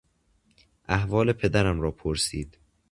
احوال پدرم را پرسید.